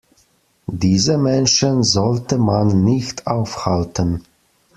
Diese Menschen sollte man nicht aufhalten.